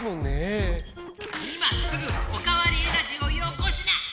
今すぐおかわりエナジーをよこしな！